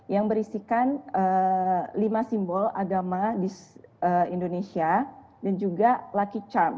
yang berisikan lima simbol agama di indonesia dan juga lucky charm